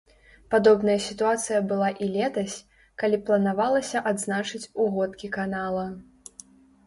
Падобная сітуацыя была і летась, калі планавалася адзначыць угодкі канала.